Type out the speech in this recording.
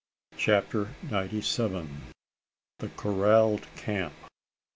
CHAPTER NINETY SEVEN. THE CORRALLED CAMP.